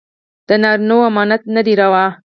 د نارينو امامت نه دى روا.